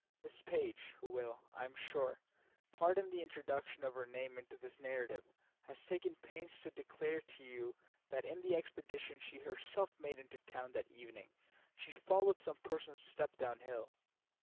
Miss Page, who will, I am sure, pardon the introduction of her name into this narrative, has taken pains to declare to you that in the expedition she herself made into town that evening, she followed some person's steps down hill.